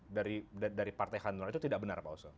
ada rasa sakit hati dari partai hanura itu tidak benar pak oso